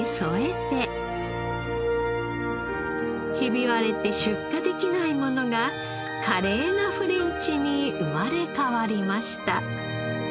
ひび割れて出荷できないものが華麗なフレンチに生まれ変わりました。